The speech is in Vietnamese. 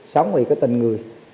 sống vì cái tình người